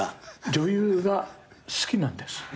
女優が好きなんです。